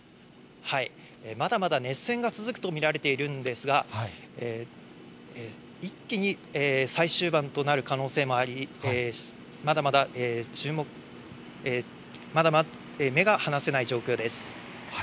まだまだ熱戦が続くと見られているんですが、一気に最終盤となる可能性もあり、まだまだ目が離せない状況です。